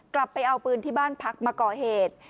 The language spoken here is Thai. กลับไปเอาปืนที่บ้านพักมาก่อเหตุ